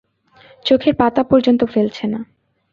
চোখের পাতা পর্যন্ত ফেলছে না।